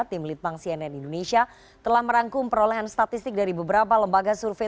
tim litbang cnn indonesia telah merangkum perolehan statistik dari beberapa lembaga survei